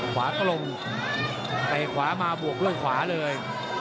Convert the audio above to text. ขวากลมใกล้ขวามาบวกเรื่องขวาเลย